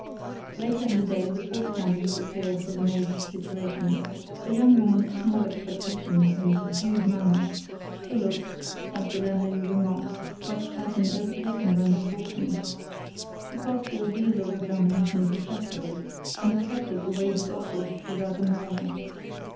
Later in the day the fourth candidate appeared for the maid's situation—a young woman of small expectations and subdued manners, who looked (as the landlady remarked) like a person overtaken by misfortune. She passed the ordeal of examination successfully, and accepted the wages offered without a murmur.